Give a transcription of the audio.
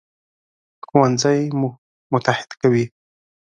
ښوونځی موږ متحد کوي